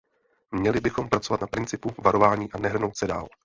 Měli bychom pracovat na principu varování a nehrnout se dál.